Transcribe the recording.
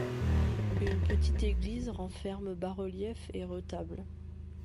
Une petite église renferme bas-relief et retable.